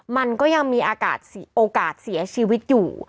มันก็ยังมีโอกาสเสียชีวิตอยู่